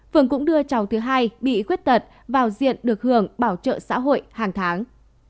phường cũng đưa cháu thứ hai bị khuyết tật vào diện được hưởng bảo trợ xã hội hàng tháng